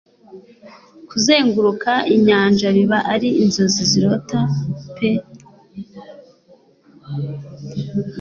Kuzenguruka inyanjabiba ari inzozi zirota pe